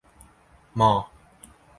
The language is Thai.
มอ